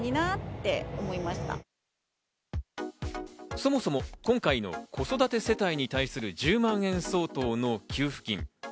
そもそも今回の子育て世帯に対する１０万円相当の給付金。